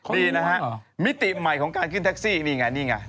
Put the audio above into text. นี่นะฮะมิติใหม่ของการขึ้นแท็กซี่นี่ไงนี่ไง